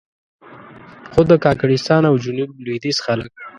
خو د کاکړستان او جنوب لوېدیځ خلک.